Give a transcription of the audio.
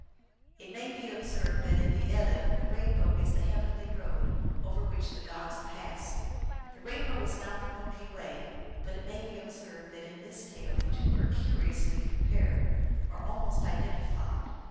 It may be observed that in the Edda the rainbow is the heav enly road over which the gods pass. The rainbow is not the Milky Way, but it may be observed that in this tale the two are THE INVISIBLE ONE. 309 curiously compared, or almost identified.